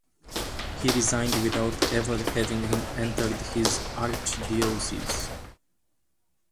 He resigned without ever having entered his archdiocese.